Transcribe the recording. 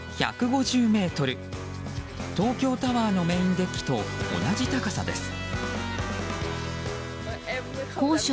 東京タワーのメインデッキと同じ高さです。